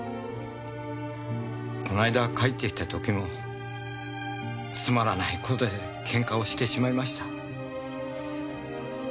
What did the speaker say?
こないだ帰ってきた時もつまらない事でケンカをしてしまいました。